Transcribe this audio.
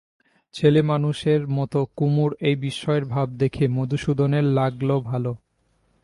ছেলেমানুষের মতো কুমুর এই বিস্ময়ের ভাব দেখে মধুসূদনের লাগল ভালো।